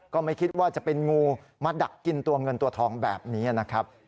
ก็ไม่คิดว่าจะเป็นงูมาดักกินตัวเงินตัวทองแบบนี้นะครับ